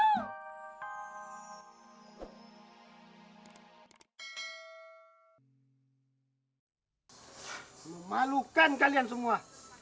memalukan kalian semua